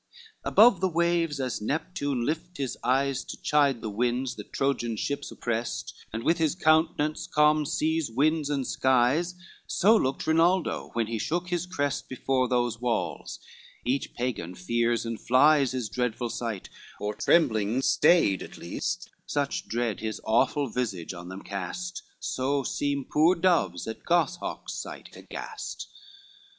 LII Above the waves as Neptune lift his eyes To chide the winds, that Trojan ships opprest, And with his countenance calmed seas, winds and skies; So looked Rinaldo, when he shook his crest Before those walls, each Pagan fears and flies His dreadful sight, or trembling stayed at least: Such dread his awful visage on them cast. So seem poor doves at goshawks' sight aghast.